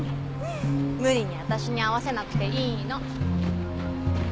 無理に私に合わせなくていいの。